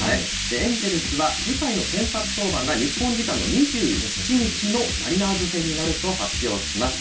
エンジェルスは次回の先発登板が日本時間の２７日のマリナーズ戦になると発表しました。